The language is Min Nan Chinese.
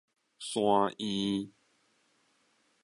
山院